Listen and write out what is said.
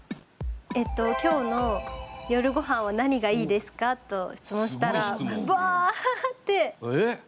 えっと「今日の夜ごはんは何がいいですか」と質問したらぶわーって。